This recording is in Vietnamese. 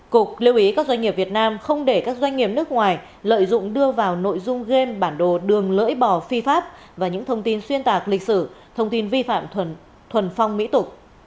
cục lưu ý các doanh nghiệp việt nam không để các doanh nghiệp nước ngoài lợi dụng đưa vào nội dung game bản đồ đường lưỡi bò phi pháp và những thông tin xuyên tạc lịch sử thông tin vi phạm thuần phong mỹ tục